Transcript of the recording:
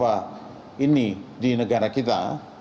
jaringan narkoba ini di negara kita